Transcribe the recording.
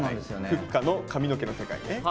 ふっかの髪の毛の世界ね。